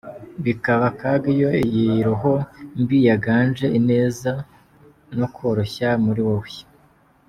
Bikaba akaga iyo iyi roho mbi yaganje ineza no koroshya muri wowe.